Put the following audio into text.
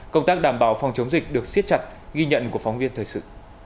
công tác đảm bảo phòng chống dịch được siết chặt ghi nhận của phóng viên thời sự